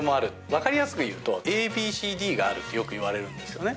分かりやすく言うと、ＡＢＣＤがあるってよく言われるんですよね。